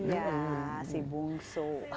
ya si bung so